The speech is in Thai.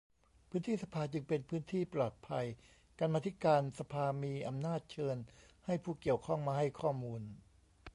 พื้นที่สภาจึงเป็นพื้นที่ปลอดภัย กรรมาธิการสภามีอำนาจเชิญให้ผู้เกี่ยวข้องมาให้ข้อมูล